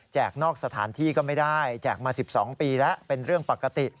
นอกสถานที่ก็ไม่ได้แจกมา๑๒ปีแล้วเป็นเรื่องปกติ